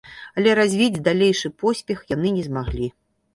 Але развіць далейшы поспех яны не змаглі.